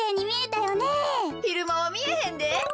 ひるまはみえへんで。